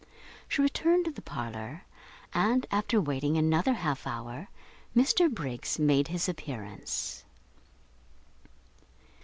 She returned to the parlour, and after waiting another half hour, Mr Briggs made his appearance.